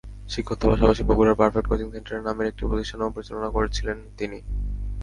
শিক্ষকতার পাশাপাশি বগুড়ার পারফেক্ট কোচিং সেন্টার নামের একটি প্রতিষ্ঠানও পরিচালনা করছিলেন তিনি।